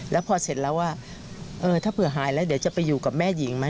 แล้วพอเสร็จแล้วว่าเออถ้าเผื่อหายแล้วเดี๋ยวจะไปอยู่กับแม่หญิงไหม